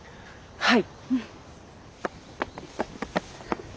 はい。